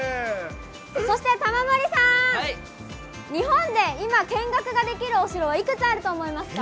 そして、玉森さん、日本で今、見学ができるお城はいくつあると思いますか？